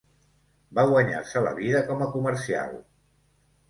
Va guanyar-se la vida com a comercial.